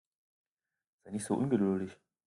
Sei nicht so ungeduldig.